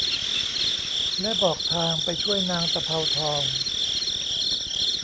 และบอกทางไปช่วยนางตะเภาทอง